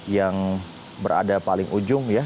yang berada paling ujung ya